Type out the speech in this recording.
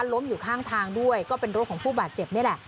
อยู่ข้างทางด้วยก็เป็นรถของผู้บาดเจ็บนี่แหละ